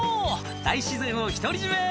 大自然を独り占め！」